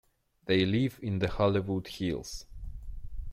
They live in the Hollywood Hills.